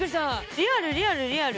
リアルリアルリアル。